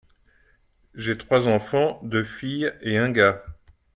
J'ai trois enfants, deux filles et un gars.